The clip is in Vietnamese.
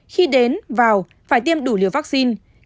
khi đến vào phải tiêm đủ liều vaccine